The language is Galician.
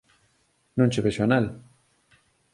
Non che vexo anel.